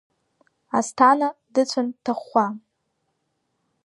Асҭана дыцәан дҭахәхәа.